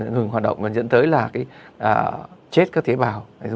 ngừng hoạt động và dẫn tới là chết các tế bào